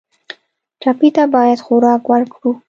ټپي ته باید خوراک ورکړو.